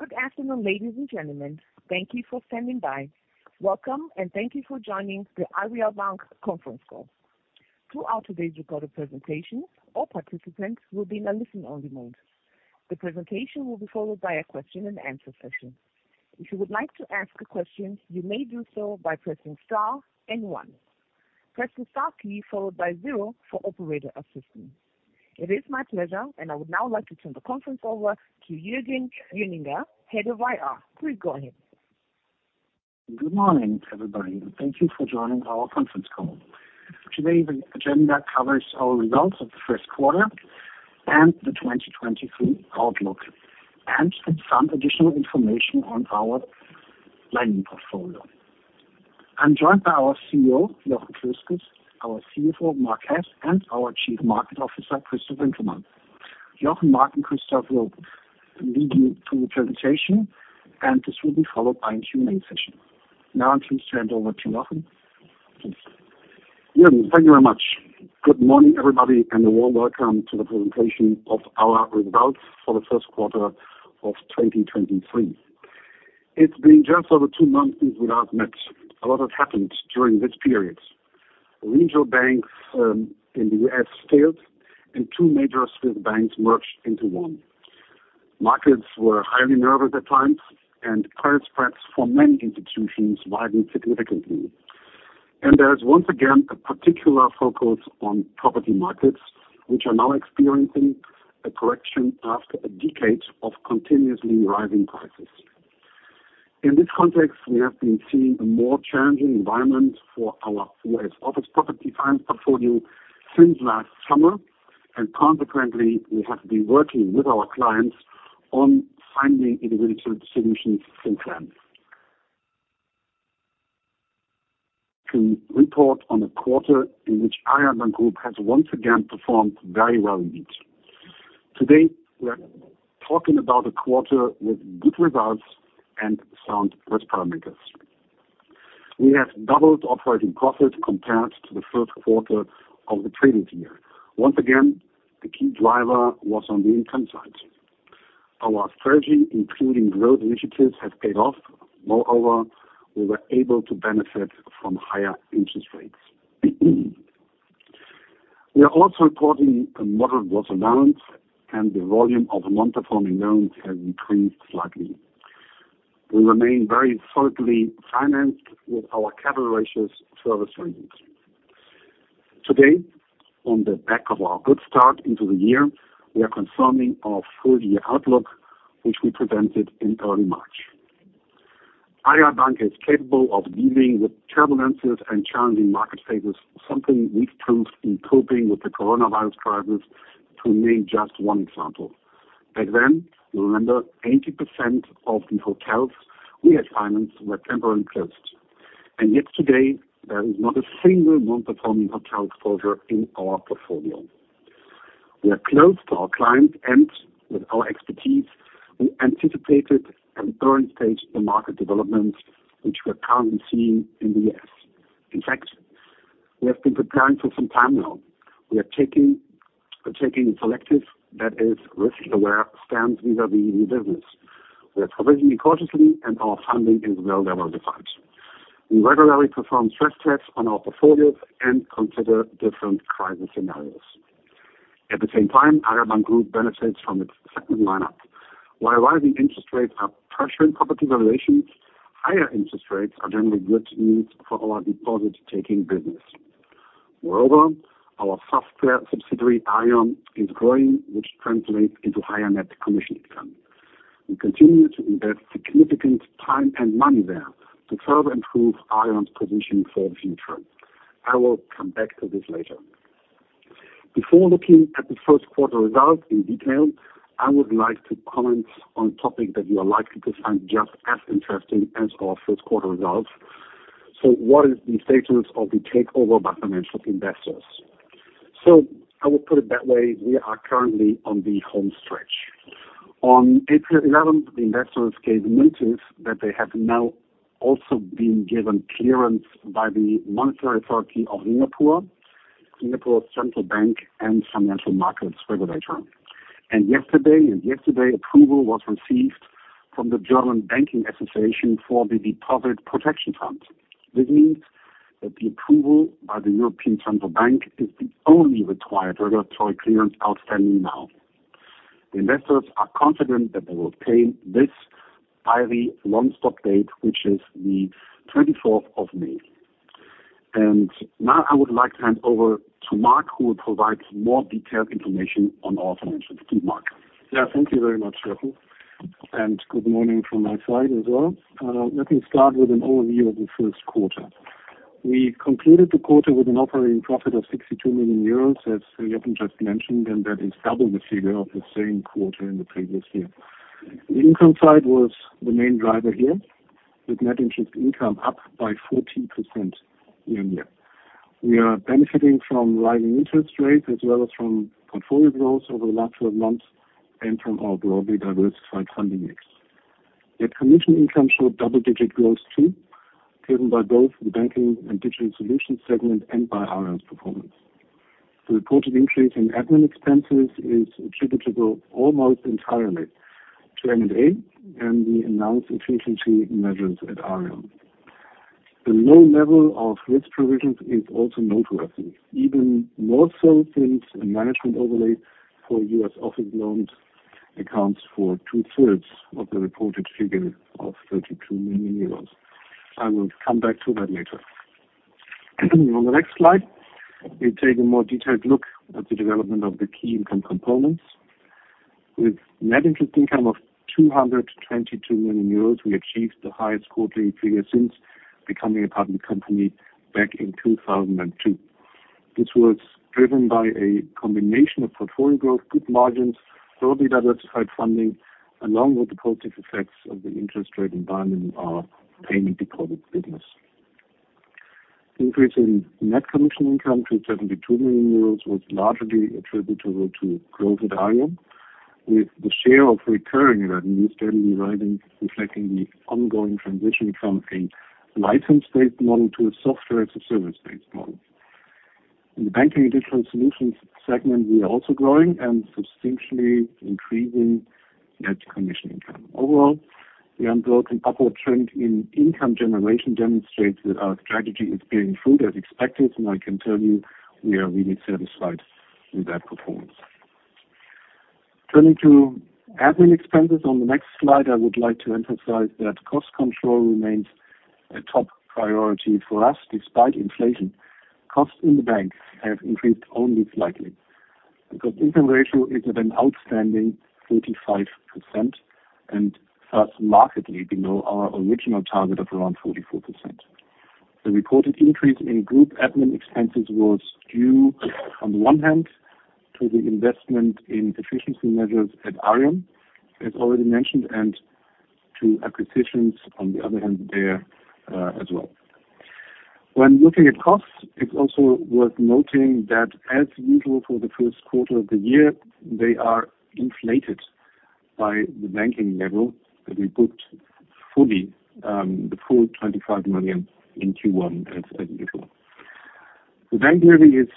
Good afternoon, ladies and gentlemen. Thank you for standing by. Welcome. Thank you for joining the Aareal Bank conference call. Throughout today's recorded presentation, all participants will be in a listen-only mode. The presentation will be followed by a question-and-answer session. If you would like to ask a question, you may do so by pressing star then one. Press the star key followed by zero for operator assistance. It is my pleasure. I would now like to turn the conference over to Jürgen Junginger, Head of IR. Please go ahead. Good morning, everybody. Thank you for joining our conference call. Today, the agenda covers our results of the first quarter and the 2023 outlook, and some additional information on our lending portfolio. I'm joined by our CEO, Jochen Klösges, our CFO, Marc Hess, and our Chief Market Officer, Christof Winkelmann. Jochen, Marc, and Christof will lead you through the presentation, and this will be followed by a Q&A session. I please hand over to Jochen. Please. Jürgen, thank you very much. Good morning, everybody. A warm welcome to the presentation of our results for the first quarter of 2023. It's been just over two months since we last met. A lot has happened during this period. Regional banks in the U.S. failed, and two major Swiss banks merged into one. Markets were highly nervous at times, and credit spreads for many institutions widened significantly. There is once again a particular focus on property markets, which are now experiencing a correction after a decade of continuously rising prices. In this context, we have been seeing a more challenging environment for our US office property finance portfolio since last summer, and consequently, we have been working with our clients on finding individual solutions since then. To report on a quarter in which Aareal Bank Group has once again performed very well indeed. Today, we are talking about a quarter with good results and sound risk parameters. We have doubled operating profit compared to the first quarter of the previous year. Once again, the key driver was on the income side. Our strategy, including growth initiatives, has paid off. Moreover, we were able to benefit from higher interest rates. We are also reporting a moderate growth in loans, and the volume of non-performing loans has decreased slightly. We remain very solidly financed with our capital ratios well strengthened. Today, on the back of our good start into the year, we are confirming our full-year outlook, which we presented in early March. Aareal Bank is capable of dealing with turbulences and challenging market phases, something we proved in coping with the coronavirus crisis, to name just one example. Back then, you remember 80% of the hotels we had financed were temporarily closed. Yet today, there is not a single non-performing hotel exposure in our portfolio. We are close to our clients, and with our expertise, we anticipated and current-staged the market developments which we are currently seeing in the US. In fact, we have been preparing for some time now. We're taking a selective that is risk-aware stance Vis-à-vis new business. We are provisioning cautiously, and our funding is well diversified. We regularly perform stress tests on our portfolios and consider different crisis scenarios. At the same time, Aareal Bank Group benefits from its segment lineup. While rising interest rates are pressuring property valuations, higher interest rates are generally good news for our deposit-taking business. Moreover, our software subsidiary, Aareon, is growing, which translates into higher net commission income. We continue to invest significant time and money there to further improve Aareon's position for the future. I will come back to this later. Before looking at the first quarter results in detail, I would like to comment on a topic that you are likely to find just as interesting as our first quarter results. What is the status of the takeover by financial investors? I will put it that way. We are currently on the home stretch. On April 11th, the investors gave notice that they have now also been given clearance by the Monetary Authority of Singapore's central bank and financial markets regulator. Yesterday approval was received from the Association of German Banks for the Deposit Protection Fund. This means that the approval by the European Central Bank is the only required regulatory clearance outstanding now. The investors are confident that they will obtain this by the long-stop date, which is May 24th. Now I would like to hand over to Marc, who will provide more detailed information on our financials. Please, Marc. Thank you very much, Jochen. Good morning from my side as well. Let me start with an overview of the first quarter. We completed the quarter with an operating profit of 62 million euros, as Jochen just mentioned, that is double the figure of the same quarter in the previous year. The income side was the main driver here, with net interest income up by 14% year-on-year. We are benefiting from rising interest rates as well as from portfolio growth over the last 12 months and from our broadly diversified funding mix. The commission income showed double-digit growth too, driven by both the Banking & Digital Solutions segment and by Aareon's performance. The reported increase in admin expenses is attributable almost entirely to M&A and the announced efficiency measures at Aareon. The low level of risk provisions is also noteworthy, even more so since the management overlay for US office loans accounts for two-thirds of the reported figure of 32 million euros. I will come back to that later. On the next slide, we take a more detailed look at the development of the key income components. With net interest income of 222 million euros, we achieved the highest quarterly figure since becoming a public company back in 2002. This was driven by a combination of portfolio growth, good margins, broadly diversified funding, along with the positive effects of the interest rate environment of payment deposit business. Increase in net commission income to 72 million euros was largely attributable to growth at Aareon, with the share of recurring revenue steadily rising, reflecting the ongoing transition from a license-based model to a software as a service-based model. In the Banking & Digital Solutions segment, we are also growing and substantially increasing net commission income. Overall, the unbroken upward trend in income generation demonstrates that our strategy is bearing fruit as expected, and I can tell you we are really satisfied with that performance. Turning to admin expenses on the next slide, I would like to emphasize that cost control remains a top priority for us despite inflation. Costs in the bank have increased only slightly. The cost-income ratio is at an outstanding 35% and thus markedly below our original target of around 44%. The reported increase in group admin expenses was due, on one hand, to the investment in efficiency measures at Aareon, as already mentioned, and to acquisitions on the other hand there as well. When looking at costs, it's also worth noting that as usual for the first quarter of the year, they are inflated by the bank levy that we booked fully, the full 25 million in Q1 as usual. The bank levy is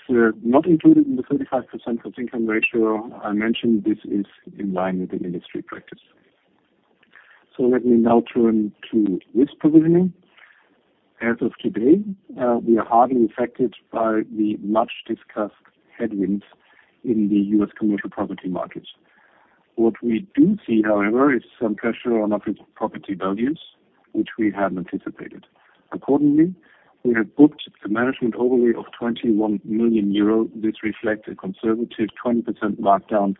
not included in the 35% cost-income ratio I mentioned. This is in line with the industry practice. Let me now turn to risk provisioning. As of today, we are hardly affected by the much-discussed headwinds in the U.S. commercial property markets. What we do see, however, is some pressure on office property values, which we had anticipated. Accordingly, we have booked the management overlay of 21 million euro, which reflect a conservative 20% markdown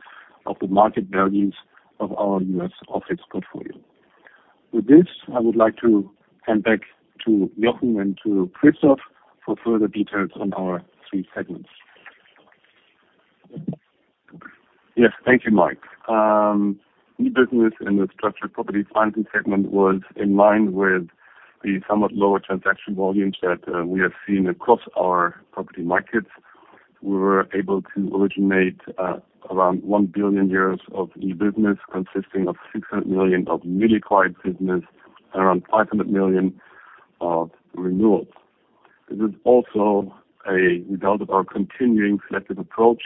of the market values of our U.S. office portfolio. With this, I would like to hand back to Jochen and to Christof for further details on our three segments. Yes. Thank you, Marc. New business in the structured property financing segment was in line with the somewhat lower transaction volumes that we have seen across our property markets. We were able to originate around 1 billion euros of new business, consisting of 600 million of newly acquired business, around 500 million of renewals. This is also a result of our continuing selective approach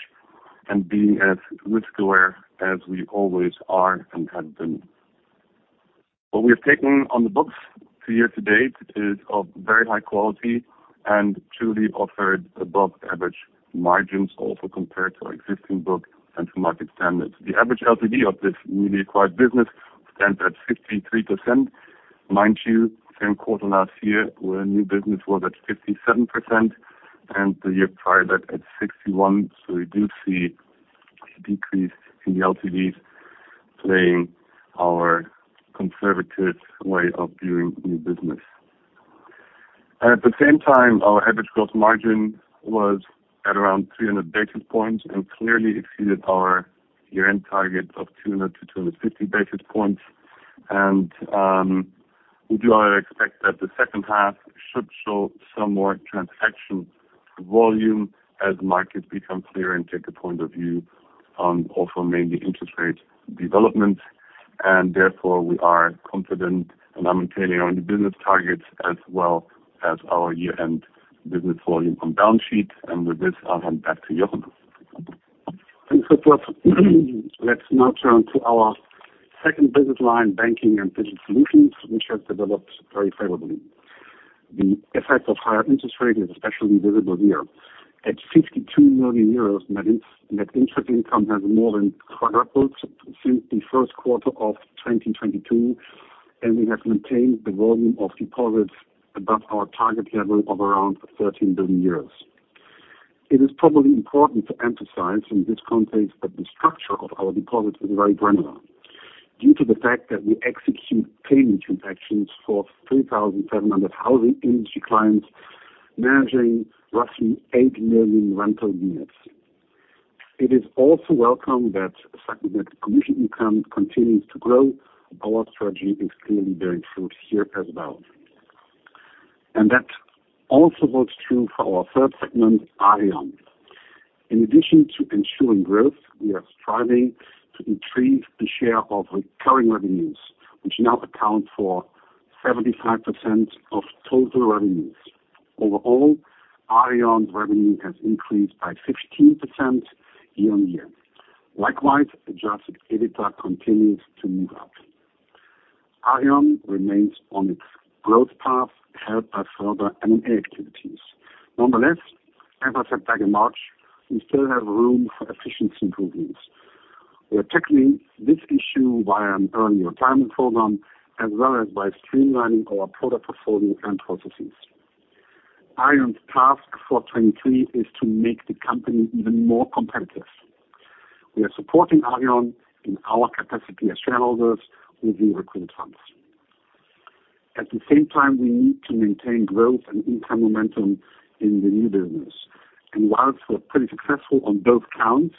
and being as risk-aware as we always are and have been. What we have taken on the books year-to-date is of very high quality and truly offered above-average margins, also compared to our existing book and to market standards. The average LTV of this newly acquired business stands at 63%. Mind you, same quarter last year where new business was at 57% and the year prior that at 61%, we do see a decrease in the LTVs playing our conservative way of viewing new business. At the same time, our average gross margin was at around 300 basis points, and clearly exceeded our year-end target of 200-250 basis points. We do expect that the second half should show some more transaction volume as markets become clear and take a point of view on also mainly interest rate developments. Therefore, we are confident and are maintaining our new business targets as well as our year-end business volume on balance sheet. With this, I'll hand back to Jochen. Thanks, Christof. Let's now turn to our second business line, Banking & Digital Solutions, which has developed very favorably. The effect of higher interest rate is especially visible here. At 52 million euros, net interest income has more than quadrupled since the first quarter of 2022, and we have maintained the volume of deposits above our target level of around 13 billion euros. It is probably important to emphasize in this context that the structure of our deposits is very granular due to the fact that we execute payment transactions for 3,700 housing industry clients managing roughly eight million rental units. It is also welcome that segment commission income continues to grow. Our strategy is clearly bearing fruit here as well. That also holds true for our third segment, Aareon. In addition to ensuring growth, we are striving to increase the share of recurring revenues, which now account for 75% of total revenues. Overall, Aareon's revenue has increased by 15% year-on-year. Likewise, adjusted EBITDA continues to move up. Aareon remains on its growth path, helped by further M&A activities. Nonetheless, as I said back in March, we still have room for efficiency improvements. We are tackling this issue via an early retirement program, as well as by streamlining our product portfolio and processes. Aareon's task for 2023 is to make the company even more competitive. We are supporting Aareon in our capacity as shareholders with the required funds. At the same time, we need to maintain growth and income momentum in the new business. Whilst we're pretty successful on both counts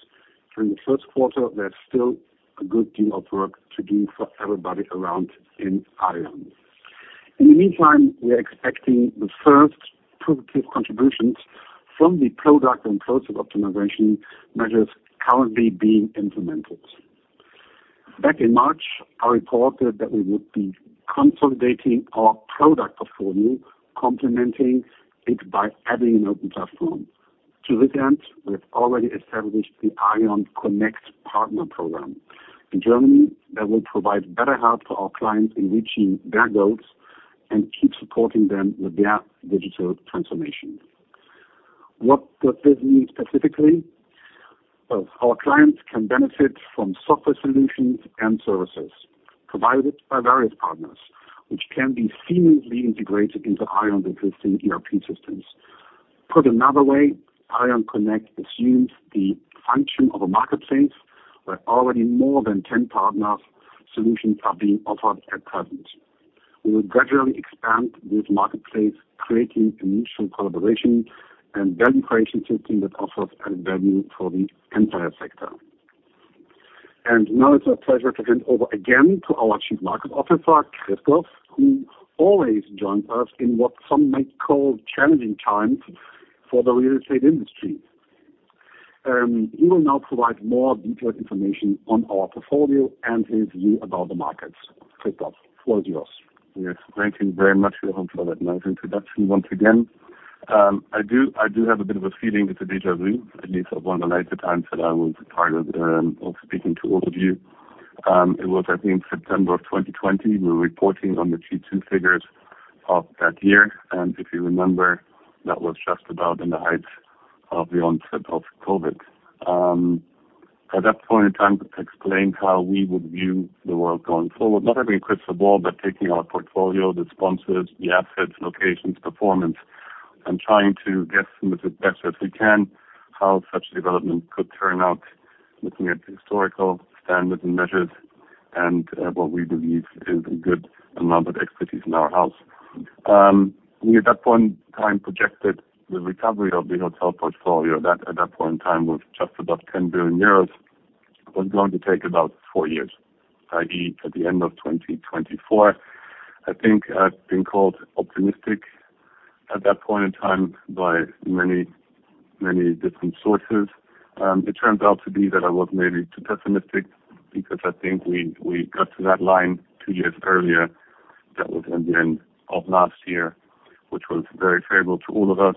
during the first quarter, there's still a good deal of work to do for everybody around in Aareon. In the meantime, we are expecting the first positive contributions from the product and process optimization measures currently being implemented. Back in March, I reported that we would be consolidating our product portfolio, complementing it by adding an open platform. To this end, we have already established the Aareon Connect Partner Program. In Germany, that will provide better help to our clients in reaching their goals and keep supporting them with their digital transformation. What does this mean specifically? Well, our clients can benefit from software solutions and services provided by various partners, which can be seamlessly integrated into Aareon's existing ERP systems. Put another way, Aareon Connect assumes the function of a marketplace, where already more than ten partners solutions are being offered at present. We will gradually expand this marketplace, creating initial collaboration and value creation system that offers added value for the entire sector. Now it's our pleasure to hand over again to our Chief Market Officer, Christoph, who always joins us in what some might call challenging times for the real estate industry. He will now provide more detailed information on our portfolio and his view about the markets. Christoph, the floor is yours. Yes, thank you very much, Jochen, for that nice introduction once again. I do have a bit of a feeling it's a deja vu, at least of one of the later times that I was part of speaking to all of you. It was, I think, September of 2020. We were reporting on the Q2 figures of that year. If you remember, that was just about in the heights of the onset of COVID. At that point in time explained how we would view the world going forward, not having a crystal ball, but taking our portfolio, the sponsors, the assets, locations, performance, and trying to guess them as best as we can, how such development could turn out, looking at historical standards and measures and what we believe is a good amount of expertise in our house. We at that point in time projected the recovery of the hotel portfolio that at that point in time was just about 10 billion euros, was going to take about four years, i.e., at the end of 2024. I think I've been called optimistic at that point in time by many, many different sources. It turns out to be that I was maybe too pessimistic because I think we got to that line two years earlier. That was at the end of last year, which was very favorable to all of us,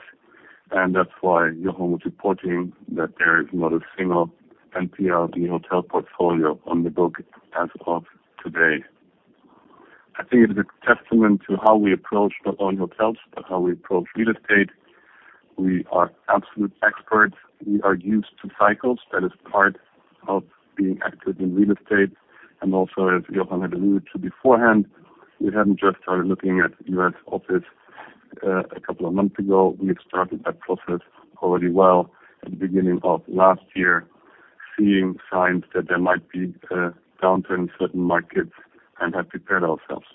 and that's why Jochen was reporting that there is not a single NPL in the hotel portfolio on the book as of today. I think it is a testament to how we approach not only hotels, but how we approach real estate. We are absolute experts. We are used to cycles. That is part of being active in real estate, also as Jochen had alluded to beforehand, we hadn't just started looking at U.S. office a couple of months ago. We had started that process already well at the beginning of last year, seeing signs that there might be a downturn in certain markets and have prepared ourselves.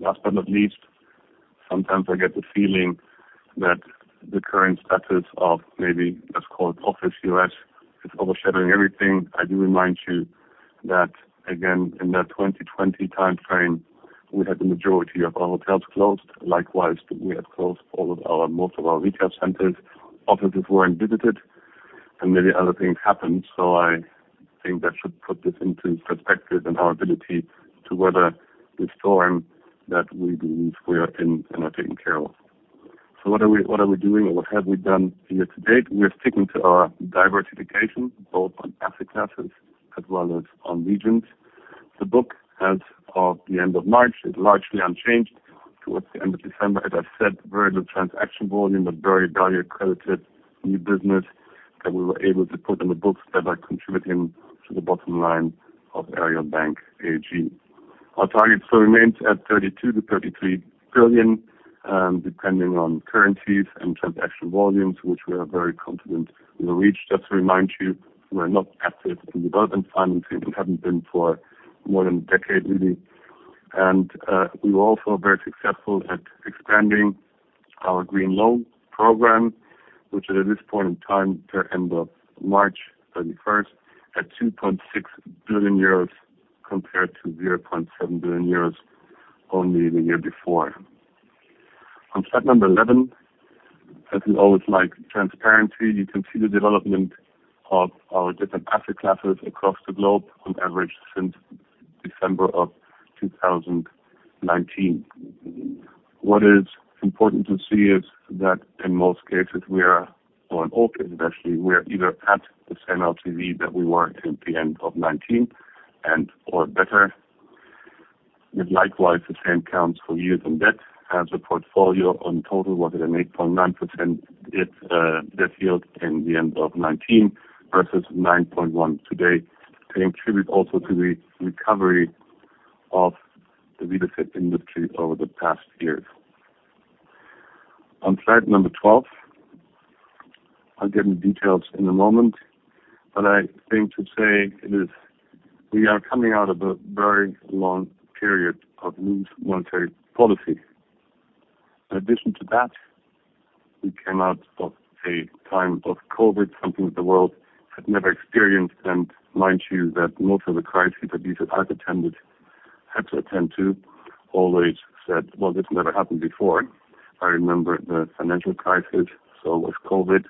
Last but not least, sometimes I get the feeling that the current status of maybe what's called office U.S. is overshadowing everything. I do remind you that again, in that 2020 timeframe, we had the majority of our hotels closed. Likewise, we had closed most of our retail centers. Offices weren't visited, many other things happened. I think that should put this into perspective and our ability to weather the storm that we believe we are in and are taking care of. What are we doing or what have we done year to date? We are sticking to our diversification, both on asset classes as well as on regions. The book as of the end of March is largely unchanged towards the end of December. As I said, very little transaction volume, but very value-accredited new business that we were able to put on the books that are contributing to the bottom line of Aareal Bank AG. Our target still remains at 32 billion-33 billion, depending on currencies and transaction volumes, which we are very confident we will reach. Just to remind you, we are not active in development financing. We haven't been for more than a decade, really. We were also very successful at expanding our Green Finance Framework, which at this point in time at the end of March 31st at 2.6 billion euros compared to 0.7 billion euros only the year before. On slide number 11, as we always like transparency, you can see the development of our different asset classes across the globe on average since December of 2019. What is important to see is that in most cases or in all cases actually, we are either at the same LTV that we were at the end of 2019 and or better. Likewise, the same counts for yield and debt as a portfolio on total was at an 8.9% debt yield in the end of 2019 versus 9.1% today. They contribute also to the recovery of the real estate industry over the past years. On slide number 12, I'll give you details in a moment, but I think to say it is we are coming out of a very long period of loose monetary policy. In addition to that, we came out of a time of COVID, something the world had never experienced. Mind you that most of the crises that these had to attend to always said, "Well, this never happened before." I remember the financial crisis, so has COVID.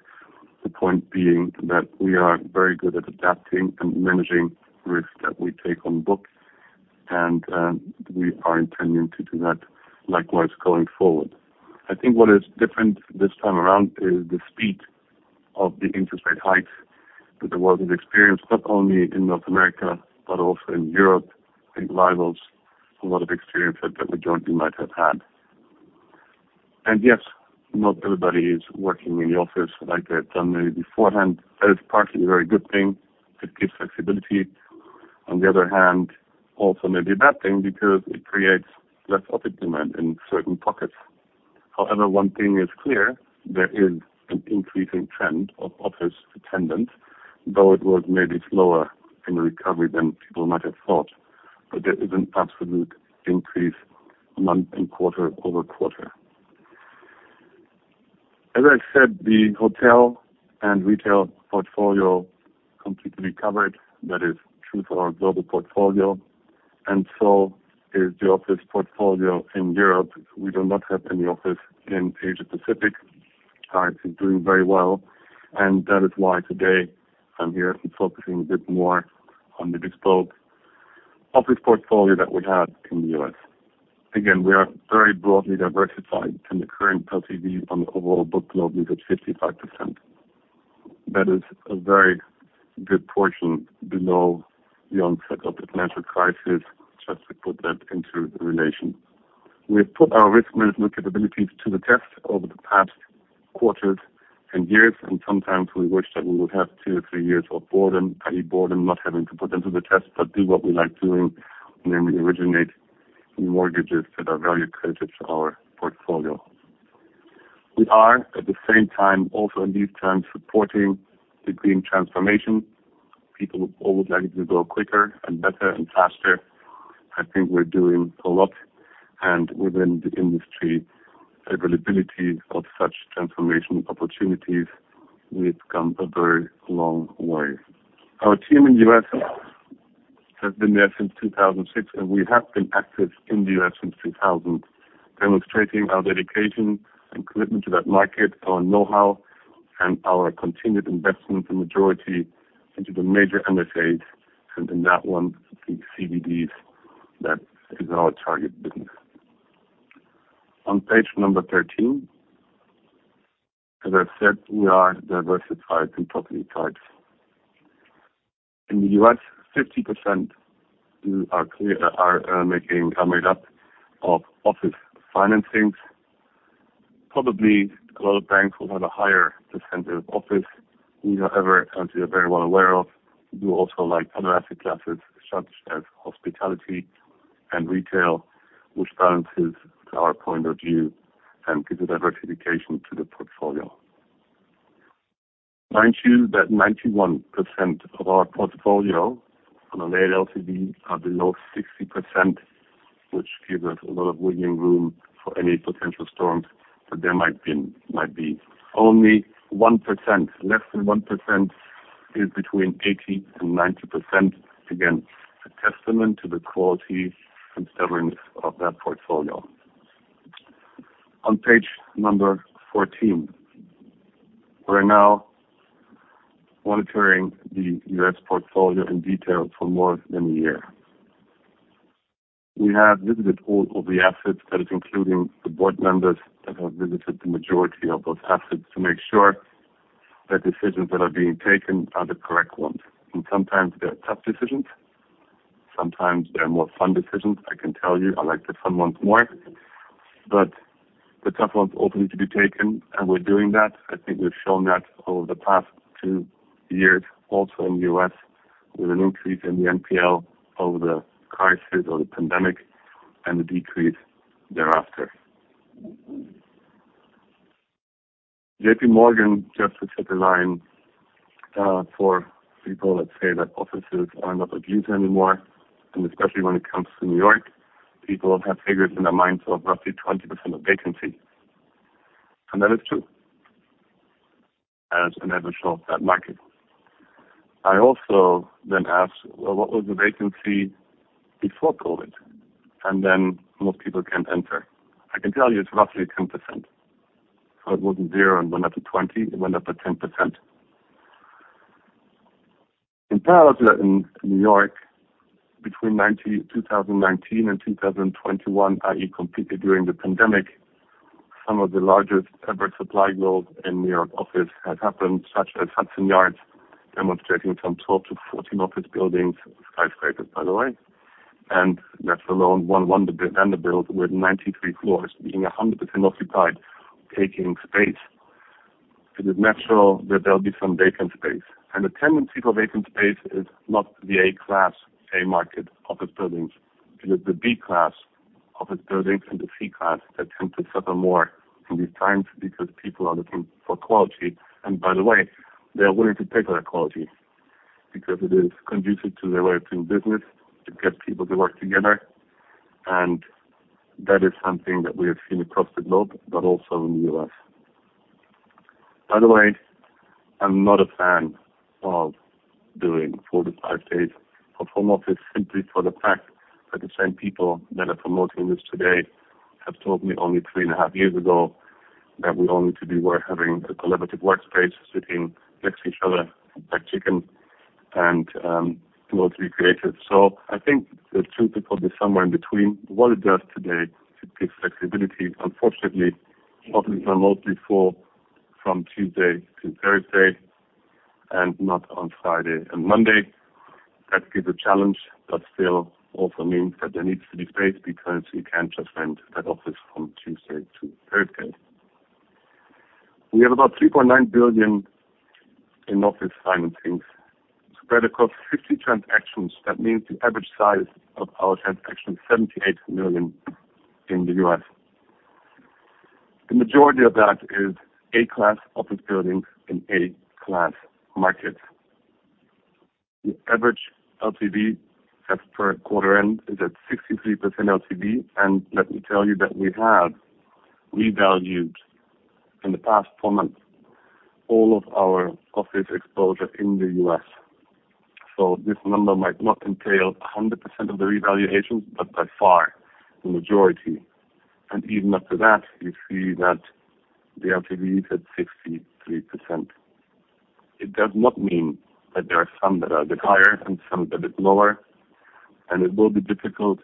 The point being that we are very good at adapting and managing risks that we take on book. We are intending to do that likewise going forward. I think what is different this time around is the speed of the interest rate hikes that there was an experience not only in North America but also in Europe. Yes, not everybody is working in the office like they've done maybe beforehand. That is partly a very good thing to keep flexibility. On the other hand, also may be a bad thing because it creates less office demand in certain pockets. One thing is clear, there is an increasing trend of office attendance, though it was maybe slower in recovery than people might have thought. There is an absolute increase month and quarter-over-quarter. As I said, the hotel and retail portfolio completely covered. So is the office portfolio in Europe. We do not have any office in Asia-Pacific. It is doing very well, that is why today I'm here focusing a bit more on the bespoke office portfolio that we have in the U.S. We are very broadly diversified, the current LTV on the overall book globally is at 55%. That is a very good portion below the onset of the financial crisis, just to put that into relation. We've put our risk management capabilities to the test over the past quarters and years, sometimes we wish that we would have two or three years of boredom. By boredom, not having to put them to the test, but do what we like doing, namely originate mortgages that are value credited to our portfolio. We are, at the same time, also in these terms, supporting the green transformation. People would always like it to go quicker and better and faster. I think we're doing a lot, and within the industry availability of such transformation opportunities, we've come a very long way. Our team in U.S. has been there since 2006, and we have been active in the U.S. since 2000, demonstrating our dedication and commitment to that market, our know-how, and our continued investment in the majority into the major MSAs and in that one, the CBDs that is our target business. On page number 13, as I've said, we are diversified in property types. In the U.S., 50% we are clear are made up of office financings. Probably a lot of banks will have a higher percentage of office. We, however, as you're very well aware of, we also like other asset classes such as hospitality and retail, which balances to our point of view and gives a diversification to the portfolio. Mind you that 91% of our portfolio on a weighted LTV are below 60%, which gives us a lot of winning room for any potential storms that there might be. Only less than 1% is between 80% and 90%. Again, a testament to the quality and severance of that portfolio. On page number 14, we're now monitoring the U.S. portfolio in detail for more than a year. We have visited all of the assets. That is including the board members that have visited the majority of those assets to make sure the decisions that are being taken are the correct ones. Sometimes they are tough decisions, sometimes they are more fun decisions. I can tell you I like the fun ones more, but the tough ones also need to be taken, and we're doing that. I think we've shown that over the past two years also in the US with an increase in the NPL over the crisis or the pandemic and the decrease thereafter. JP Morgan, just to set the line, for people that say that offices are not of use anymore, and especially when it comes to New York, people have figures in their minds of roughly 20% of vacancy. That is true. As an average of that market. I also then asked, "Well, what was the vacancy before COVID?" Then most people can't answer. I can tell you it's roughly 10%. It wasn't zero and went up to 20, it went up to 10%. In parallel in New York between 2019 and 2021, i.e., completely during the pandemic, some of the largest ever supply growth in New York office has happened, such as Hudson Yards, demonstrating some 12-14 office buildings, skyscrapers, by the way. Let alone one, then the build with 93 floors being 100% occupied, taking space. It is natural that there'll be some vacant space. The tendency for vacant space is not the A-class A market office buildings. It is the B-class office buildings and the C-class that tend to suffer more in these times because people are looking for quality. By the way, they are willing to pay for that quality because it is conducive to their way of doing business, to get people to work together. That is something that we have seen across the globe, but also in the US. By the way, I'm not a fan of doing 45 days of home office simply for the fact that the same people that are promoting this today have told me only 3.5 years ago that we all need to be having a collaborative workspace, sitting next to each other like chicken and to what we created. I think the truth probably somewhere in between. It does today, it gives flexibility. Unfortunately, offices are mostly full from Tuesday to Thursday and not on Friday and Monday. That gives a challenge, still also means that there needs to be space because you can't just rent that office from Tuesday to Thursday. We have about $3.9 billion in office financings spread across 50 transactions. That means the average size of our transaction, $78 million in the US. The majority of that is A-class office buildings in A-class markets. The average LTV as per quarter end is at 63% LTV. Let me tell you that we have revalued in the past four months all of our office exposure in the US. This number might not entail 100% of the revaluations, but by far the majority. Even after that, you see that the LTV is at 63%. It does not mean that there are some that are a bit higher and some a bit lower, and it will be difficult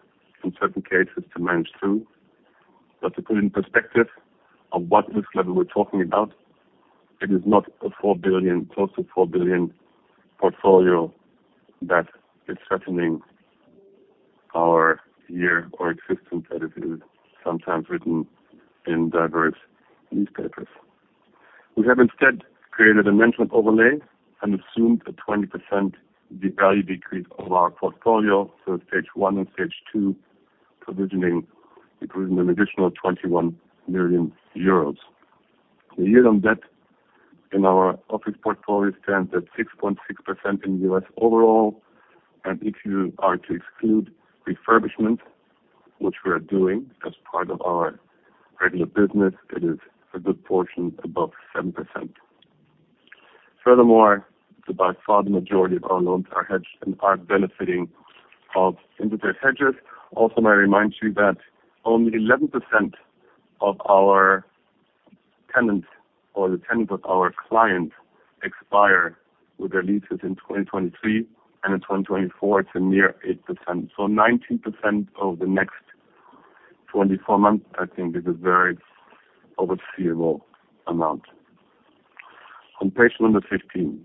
in certain cases to manage through. To put in perspective of what risk level we're talking about, it is not a close to 4 billion portfolio that is threatening our year or existence, as it is sometimes written in diverse newspapers. We have instead created a management overlay and assumed a 20% decrease of our portfolio. Stage one and stage two provisioning, including an additional 21 million euros. The yield on debt in our office portfolio stands at 6.6% in the US overall. If you are to exclude refurbishment, which we are doing as part of our regular business, it is a good portion above 7%. The by far the majority of our loans are hedged and are benefiting of interest rate hedges. May I remind you that only 11% of our tenants or the tenants of our clients expire with their leases in 2023, and in 2024 it's a near 8%. 19% over the next 24 months, I think, is a very foreseeable amount. On page number 15.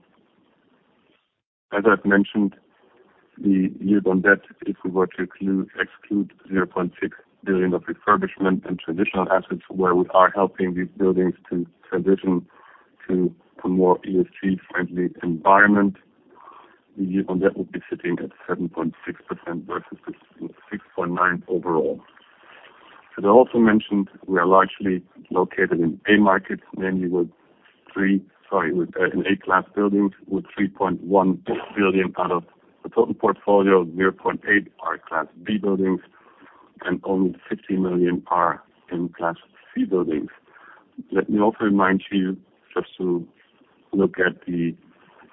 As I've mentioned, the yield on debt, if we were to exclude 0.6 billion of refurbishment and transitional assets where we are helping these buildings to transition to a more ESG-friendly environment, the yield on debt would be sitting at 7.6% versus the 6.9% overall. As I also mentioned, we are largely located in Class A markets, mainly with sorry, with in Class A buildings with 3.1 billion out of the total portfolio, 0.8 billion are Class B buildings, and only 50 million are in Class C buildings. Let me also remind you just to look at the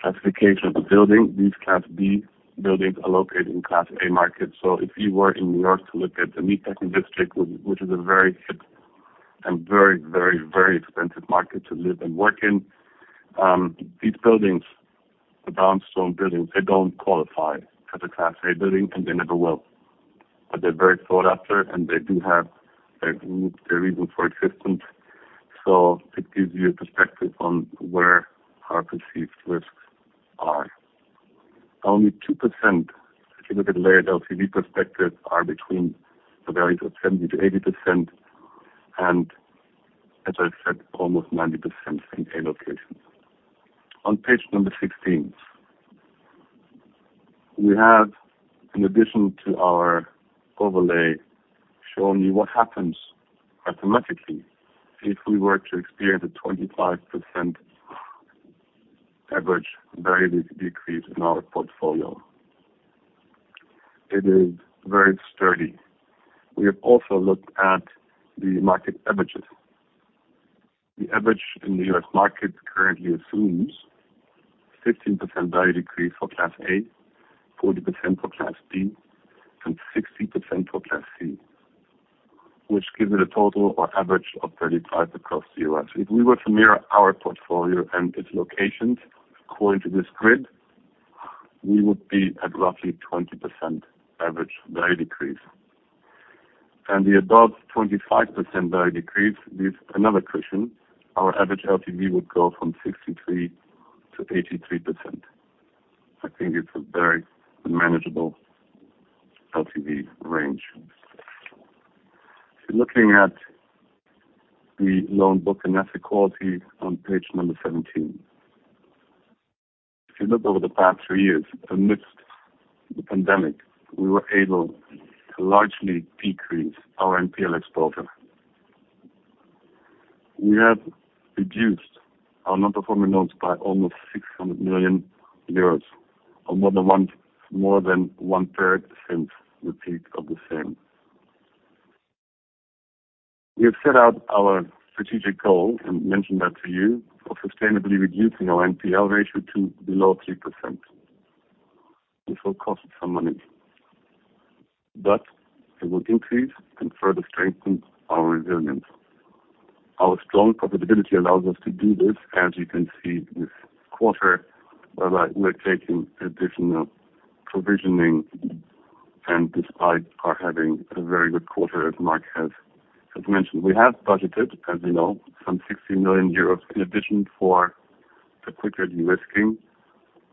classification of the building. These Class B buildings are located in Class A markets. If you were in New York to look at the Meatpacking District, which is a very hip and very, very, very expensive market to live and work in, these buildings, the brownstone buildings, they don't qualify as a Class A building, and they never will. They're very sought after, and they do have their reason for existence. It gives you a perspective on where our perceived risks are. Only 2%, if you look at the layered LTV perspective, are between the values of 70%-80%, and as I said, almost 90% in A locations. On page number 16, we have, in addition to our management overlay, shown you what happens automatically if we were to experience a 25% average value decrease in our portfolio. It is very sturdy. We have also looked at the market averages. The average in the US market currently assumes 15% value decrease for class A, 40% for class B, and 60% for class C, which gives it a total or average of 35% across the US. If we were to mirror our portfolio and its locations according to this grid, we would be at roughly 20% average value decrease. The above 25% value decrease gives another cushion. Our average LTV would go from 63%-83%. I think it's a very manageable LTV range. If you're looking at the loan book and asset quality on page number 17. If you look over the past three years amidst the pandemic, we were able to largely decrease our NPL exposure. We have reduced our non-performing notes by almost 600 million euros or more than one-third since the peak of the same. We have set out our strategic goal and mentioned that to you for sustainably reducing our NPL ratio to below 3%. This will cost some money, it will increase and further strengthen our resilience. Our strong profitability allows us to do this, as you can see this quarter, we're taking additional provisioning and despite our having a very good quarter, as Mark has mentioned. We have budgeted, as you know, some 60 million euros in addition for the quicker de-risking.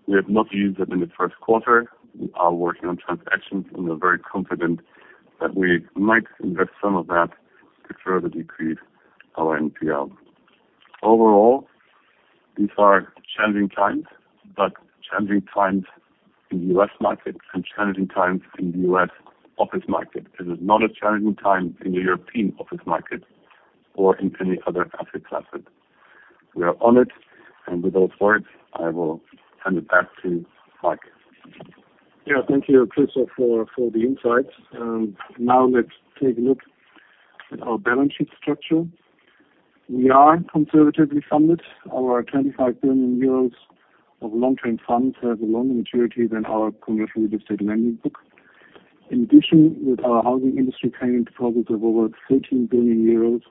We have not used it in the first quarter. We are working on transactions. We're very confident that we might invest some of that to further decrease our NPL. Overall, these are challenging times. Challenging times in the US market and challenging times in the US office market. It is not a challenging time in the European office market or in any other asset class. We are on it. We go for it. I will hand it back to Marc. Thank you, Christoph, for the insights. Let's take a look at our balance sheet structure. We are conservatively funded. Our 25 billion euros of long-term funds have a longer maturity than our commercial real estate lending book. With our housing industry payment deposits of over 13 billion euros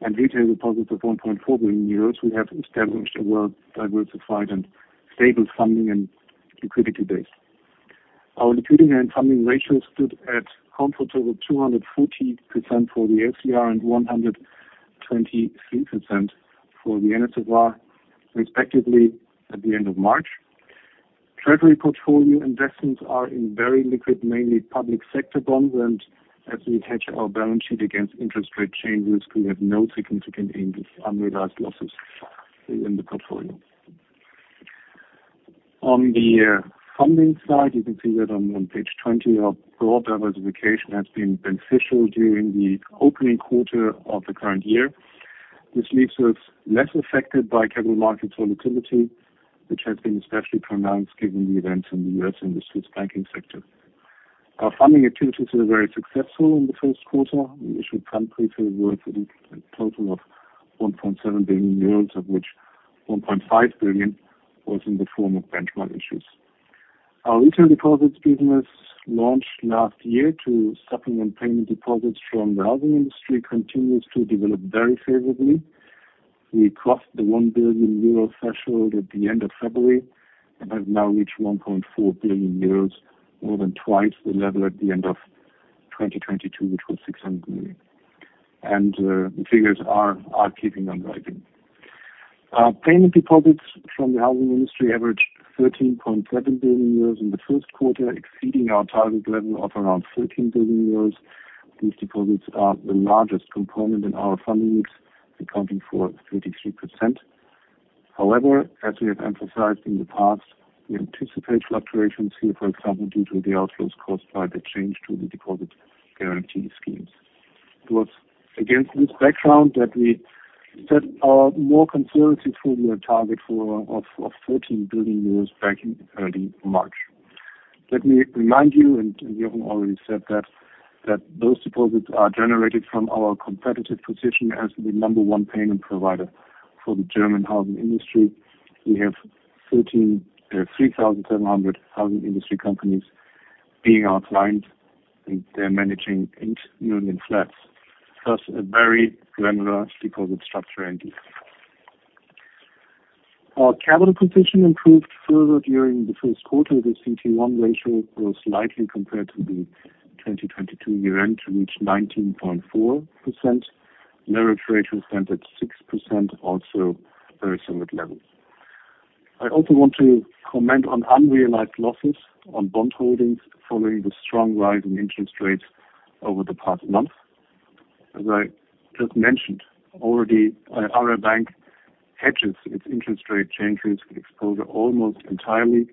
and retail deposits of 1.4 billion euros, we have established a well-diversified and stable funding and liquidity base. Our liquidity and funding ratio stood at comfortable 214% for the LCR and 123% for the NSFR, respectively, at the end of March. Treasury portfolio investments are in very liquid, mainly public sector bonds, as we hedge our balance sheet against interest rate changes, we have no significant and unrealized losses in the portfolio. On the funding side, you can see that on page 20, our broad diversification has been beneficial during the opening quarter of the current year. This leaves us less affected by capital market volatility, which has been especially pronounced given the events in the U.S. industries banking sector. Our funding activities were very successful in the first quarter. We issued senior preferred worth a total of 1.7 billion euros, of which 1.5 billion was in the form of benchmark issues. Our retail deposits business launched last year to supplement payment deposits from the housing industry continues to develop very favorably. We crossed the 1 billion euro threshold at the end of February and have now reached 1.4 billion euros, more than twice the level at the end of 2022, which was 600 million. The figures are keeping on rising. Our payment deposits from the housing industry averaged 13.7 billion euros in the first quarter, exceeding our target level of around 13 billion euros. These deposits are the largest component in our fundings, accounting for 33%. However, as we have emphasized in the past, we anticipate fluctuations here, for example, due to the outflows caused by the change to the Deposit Guarantee Schemes. It was against this background that we set our more conservative full-year target of 14 billion euros back in early March. Let me remind you, and Jochen already said that those deposits are generated from our competitive position as the number one payment provider for the German housing industry. We have 3,700 housing industry companies being our client, and they're managing 8 million flats. Thus, a very granular deposit structure indeed. Our capital position improved further during the first quarter. The CET1 ratio grew slightly compared to the 2022 year-end to reach 19.4%. Net ratio stand at 6%, also very solid levels. I also want to comment on unrealized losses on bond holdings following the strong rise in interest rates over the past month. As I just mentioned already, our bank hedges its interest rate changes with exposure almost entirely.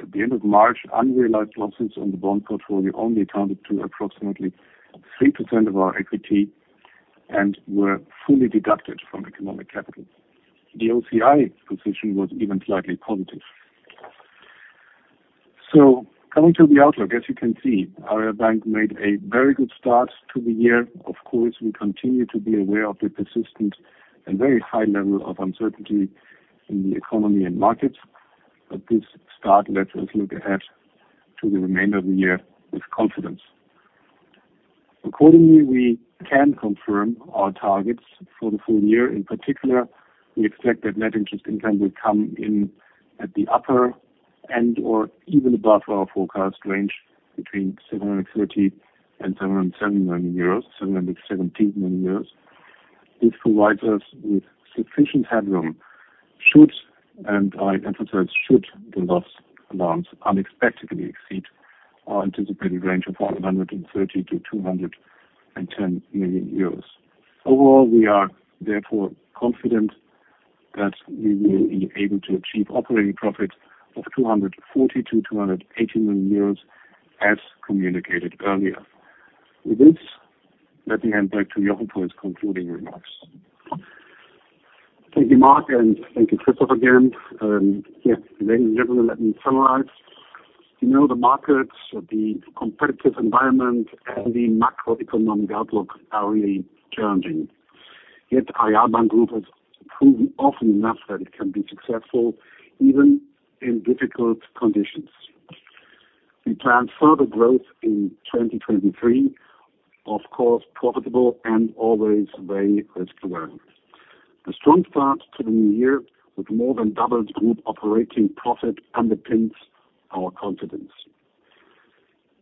At the end of March, unrealized losses on the bond portfolio only accounted to approximately 3% of our equity. And were fully deducted from economic capital. The OCI position was even slightly positive. Coming to the outlook, as you can see, our bank made a very good start to the year. Of course, we continue to be aware of the persistent and very high level of uncertainty in the economy and markets. This start lets us look ahead to the remainder of the year with confidence. Accordingly, we can confirm our targets for the full year. In particular, we expect that net interest income will come in at the upper and or even above our forecast range between 730 million and 770 million euros, 717 million euros. This provides us with sufficient headroom should, and I emphasize should the loss allowance unexpectedly exceed our anticipated range of 130 million-210 million euros. Overall, we are therefore confident that we will be able to achieve operating profits of 240 million-280 million euros as communicated earlier. With this, let me hand back to Jochen for his concluding remarks. Thank you, Marc, and thank you, Christof again. Yes, ladies and gentlemen, let me summarize. You know the markets, the competitive environment and the macroeconomic outlook are really challenging. Yet Aareal Bank Group has proven often enough that it can be successful even in difficult conditions. We plan further growth in 2023, of course profitable and always very risk-aware. The strong start to the new year with more than doubled group operating profit underpins our confidence.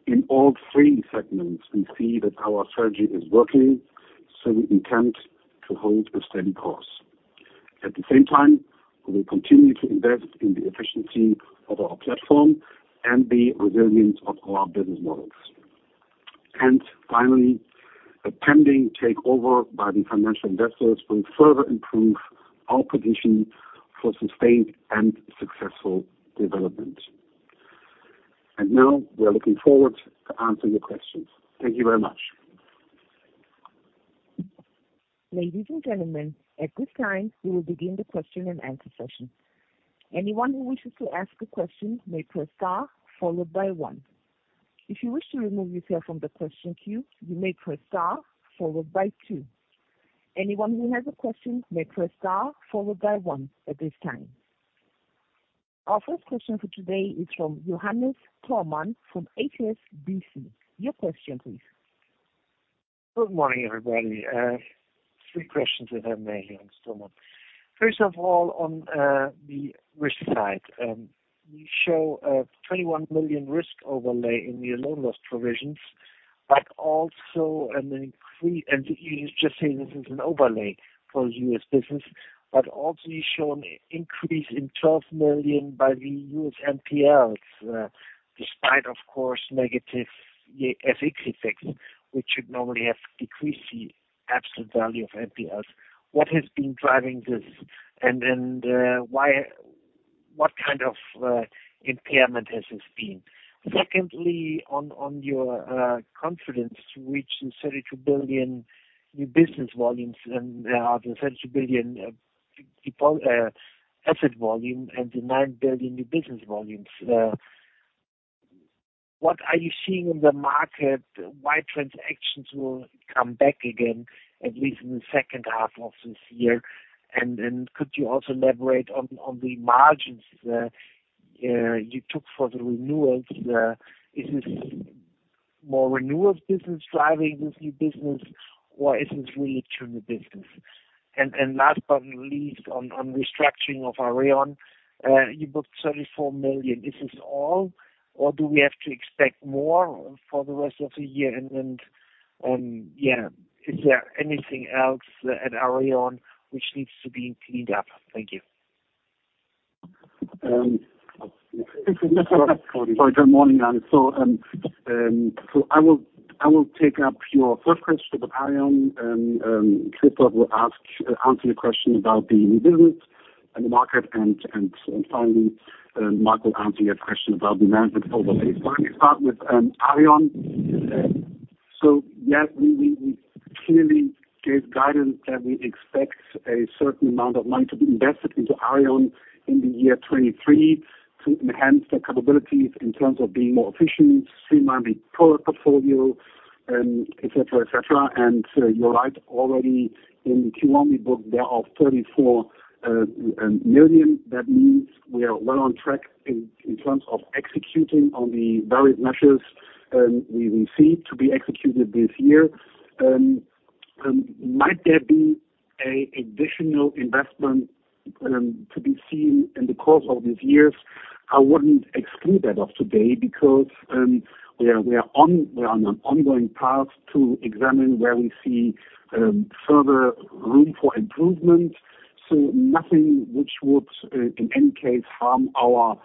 In all three segments we see that our strategy is working, so we intend to hold a steady course. At the same time, we will continue to invest in the efficiency of our platform and the resilience of our business models. Finally, attending takeover by the financial investors will further improve our position for sustained and successful development. Now we are looking forward to answer your questions. Thank you very much. Ladies and gentlemen, at this time, we will begin the question and answer session. Anyone who wishes to ask a question may press star followed by one. If you wish to remove yourself from the question queue, you may press star followed by two. Anyone who has a question may press star followed by one at this time. Our first question for today is from Jochennes Thormann from HSBC. Your question please. Good morning, everybody. three questions if I may, Jochennes Thormann. First of all, on the risk side, you show a 21 million risk overlay in your loan loss provisions, but also an increase. You just say this is an overlay for US business, but also you show an increase in 12 million by the US NPLs, despite of course negative FX effects, which should normally have decreased the absolute value of NPLs. What has been driving this? What kind of impairment has this been? Secondly, on your confidence to reach 32 billion new business volumes and the 32 billion asset volume and the 9 billion new business volumes, what are you seeing in the market? Why transactions will come back again, at least in the second half of this year? Could you also elaborate on the margins you took for the renewals? Is this more renewals business driving this new business or is this really true business? Last but not least on restructuring of Aareon, you booked 34 million. Is this all or do we have to expect more for the rest of the year? Yeah, is there anything else at Aareon which needs to be cleaned up? Thank you. Sorry. Good morning. I will take up your first question about Aareon and Christof will answer your question about the new business and the market, and finally, Marc will answer your question about the management overlay. Let me start with Aareon. Yes, we clearly gave guidance that we expect a certain amount of money to be invested into Aareon in the year 2023 to enhance the capabilities in terms of being more efficient, streamlining product portfolio, et cetera, et cetera. You're right, already in Q1 we booked there of 34 million. That means we are well on track in terms of executing on the various measures we will see to be executed this year. Might there be a additional investment to be seen in the course of this years? I wouldn't exclude that of today because we are on an ongoing path to examine where we see further room for improvement. Nothing which would in any case harm our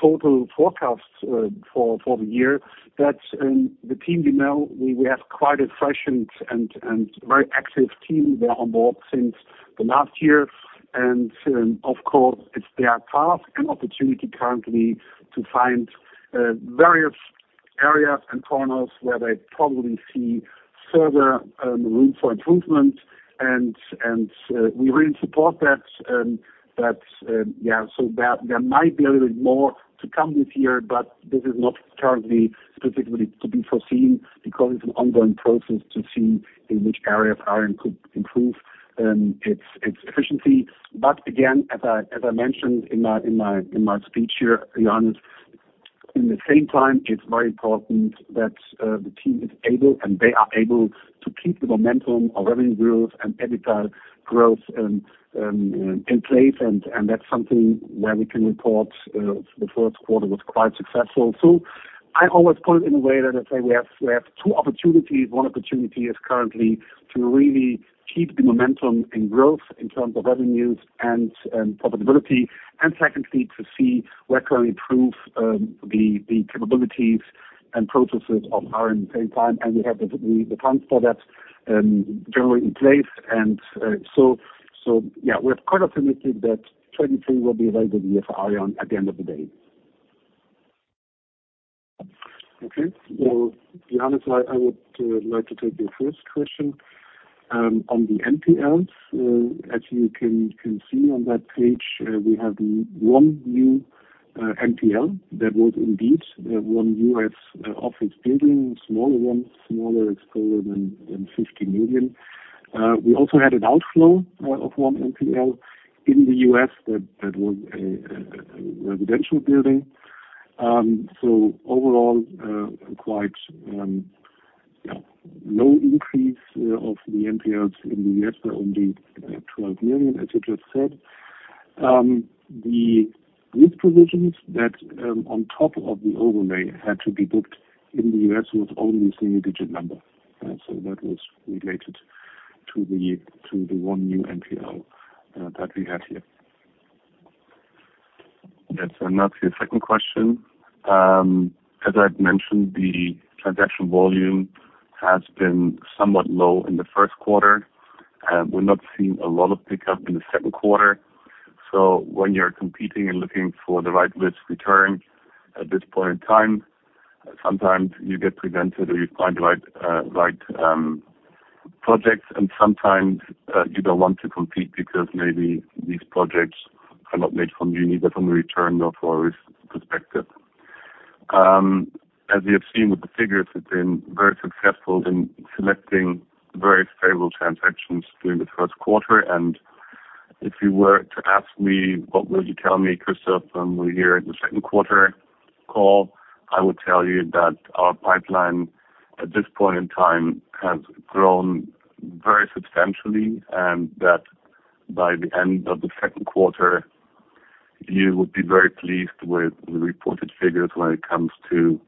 total forecasts for the year. The team, you know, we have quite a fresh and very active team. They are on board since the last year. Of course, it's their task and opportunity currently to find various areas and corners where they probably see further room for improvement and we really support that. That's yeah. There, there might be a little bit more to come this year, but this is not currently specifically to be foreseen because it's an ongoing process to see in which areas Aareon could improve its efficiency. Again, as I mentioned in my speech here, Jochennes, in the same time, it's very important that the team is able and they are able to keep the momentum of revenue growth and EBITDA growth in place, and that's something where we can report the first quarter was quite successful. I always put it in a way that I say we have two opportunities. One opportunity is currently to really keep the momentum in growth in terms of revenues and profitability. Secondly, to see where can we improve, the capabilities and processes of Aareon at the same time. We have the plans for that, generally in place. So yeah, we're quite affirmative that 2023 will be a very good year for Aareon at the end of the day. Okay. Jochennes, I would like to take the first question. On the NPLs, as you can see on that page, we have one new NPL. That was indeed one U.S. office building, smaller one, smaller exposure than 50 million. We also had an outflow of one NPL in the U.S. that was a residential building. Overall, quite no increase of the NPLs in the U.S. were only 12 million, as you just said. The risk provisions that on top of the overlay had to be booked in the U.S. was only single digit number. That was related to the one new NPL that we have here. Yes. Now to your second question. As I've mentioned, the transaction volume has been somewhat low in the first quarter. We're not seeing a lot of pickup in the second quarter. When you're competing and looking for the right risk return at this point in time, sometimes you get presented or you find right projects and sometimes you don't want to compete because maybe these projects are not made from uni, but from a return or for a risk perspective. As you have seen with the figures, we've been very successful in selecting very favorable transactions during the first quarter. If you were to ask me, what will you tell me, Christoph, when we're here in the second quarter call? I would tell you that our pipeline at this point in time has grown very substantially, and that by the end of the second quarter, you would be very pleased with the reported figures when it comes to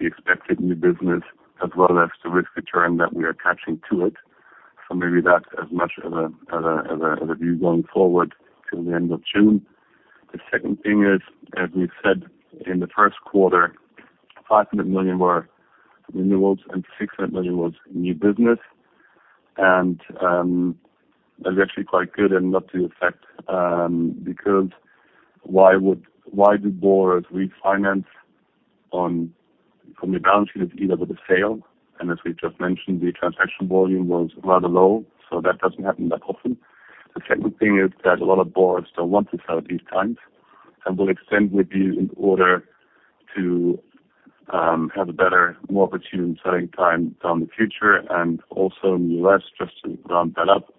the expected new business as well as the risk return that we are attaching to it. Maybe that's as much of a view going forward till the end of June. The second thing is, as we've said, in the first quarter, 500 million were renewals and 600 million was new business. That was actually quite good and not to your effect, because Why do borrowers refinance on, from a balance sheet of either with a sale? As we just mentioned, the transaction volume was rather low, so that doesn't happen that often. The second thing is that a lot of borrowers don't want to sell at these times and will extend with you in order to have a better, more opportune selling time down the future. Also in U.S., just to round that up